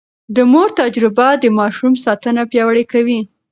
د مور تجربه د ماشوم ساتنه پياوړې کوي.